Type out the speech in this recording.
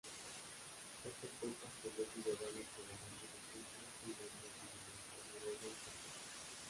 Está compuesta por los ciudadanos provenientes de Suecia, Finlandia, Dinamarca, Noruega e Islandia.